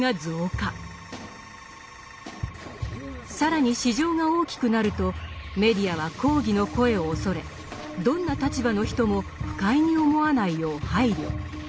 更に市場が大きくなるとメディアは抗議の声を恐れどんな立場の人も不快に思わないよう配慮。